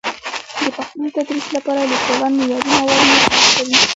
د پښتو د تدریس لپاره لیکوالان معیاري مواد نه چمتو کوي.